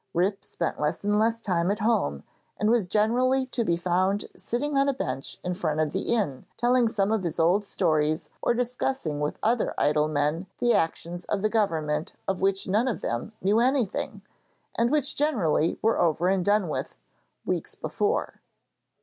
Rip spent less and less time at home and was generally to be found sitting on a bench in front of the inn telling some of his old stories or discussing with other idle men the actions of the Government of which none of them knew anything, and which generally were over and done with weeks before.